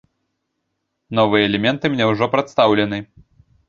Новыя элементы мне ўжо прадстаўлены.